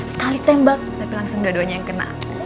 sekali tembak tapi langsung dua duanya yang kena